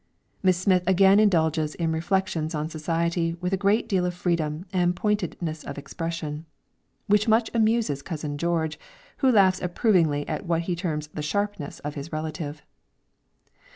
Miss Smith again indulges in reflections on society with a great deal of freedom and pointedness of expression, which much amuses cousin George, who laughs approvingly at what he terms the "sharpness" of his relative.